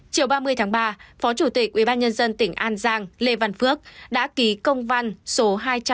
chiều ba mươi tháng ba phó chủ tịch ubnd tỉnh an giang lê văn phước đã ký công văn số hai trăm sáu mươi